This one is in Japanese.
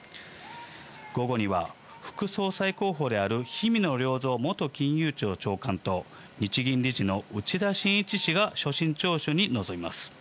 午後には副総裁候補である氷見野良三元金融庁長官と、日銀理事の内田眞一氏が所信聴取に臨みます。